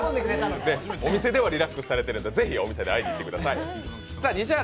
お店ではリラックスされてるので、ぜひお店に会いに行ってください。